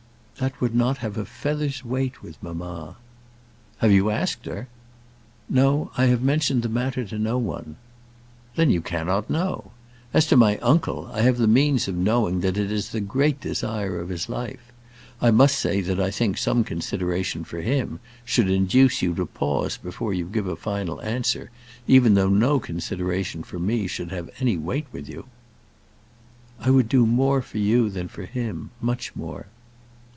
"That would not have a feather's weight with mamma." "Have you asked her?" "No, I have mentioned the matter to no one." "Then you cannot know. And as to my uncle, I have the means of knowing that it is the great desire of his life. I must say that I think some consideration for him should induce you to pause before you give a final answer, even though no consideration for me should have any weight with you." "I would do more for you than for him, much more."